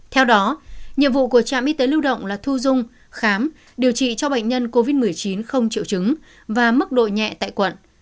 theo đó nhiệm vụ của trạm y tế lưu động là thu dung khám điều trị cho bệnh nhân covid một mươi chín không triệu chứng và mức độ nhẹ tại quận